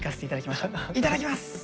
いただきます！